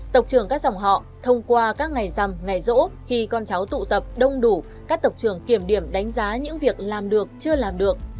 tộc trưởng các giáo họ thông qua các ngày rằm ngày rỗ khi con cháu tụ tập đông đủ các tộc trưởng kiểm điểm đánh giá những việc làm được chưa làm được